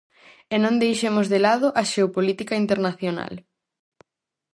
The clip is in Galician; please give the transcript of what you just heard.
E non deixemos de lado a xeopolítica internacional!